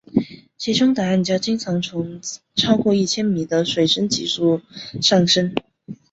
其中的暗礁经常从超过一千米的水深急速上升。